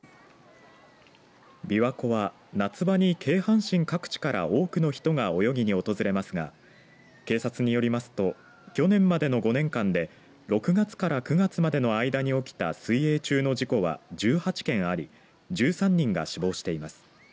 琵琶湖は夏場に京阪神各地から多くの人が泳ぎに訪れますが警察によりますと去年までの５年間で６月から９月までの間に起きた水泳中の事故は１８件あり１３人が死亡しています。